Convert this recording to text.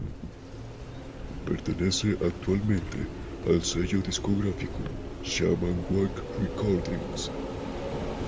Pertenece actualmente al sello discográfico Shaman Work Recordings.